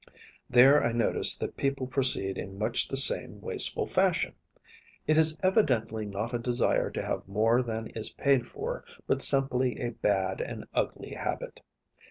There I notice that people proceed in much the same wasteful fashion. It is evidently not a desire to have more than is paid for, but simply a bad and ugly habit.